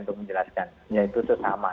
untuk menjelaskan yaitu sesama